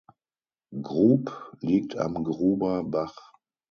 Grub liegt am Gruber Bach.